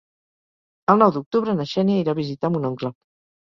El nou d'octubre na Xènia irà a visitar mon oncle.